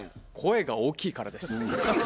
声が大きいからです。